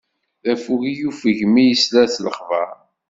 D affug i yuffeg, mi yesla s lexbaṛ.